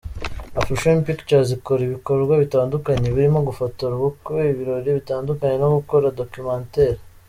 AfriFame Pictures, ikora ibikorwa bitandukanye birimo gufotora ubukwe, ibirori bitandukanye no gukora documentaire.